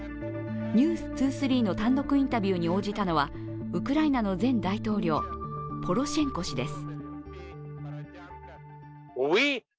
「ｎｅｗｓ２３」の単独インタビューに応じたのはウクライナの前大統領ポロシェンコ氏です。